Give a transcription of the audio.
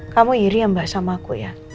kamu iri yang bahas sama aku ya